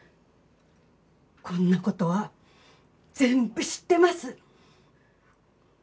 こんな事は全部知ってます！